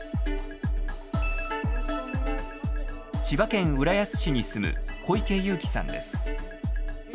千葉県浦安市に住む小池裕貴さんです。